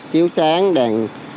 chiếu sáng đèn